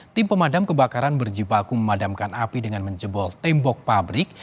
tim pemadam kebakaran berjibaku memadamkan api dengan menjebol tembok pabrik